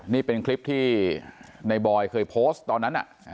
นี่เป็นคลิปที่ในบอยเคยโพสต์ตอนนั้น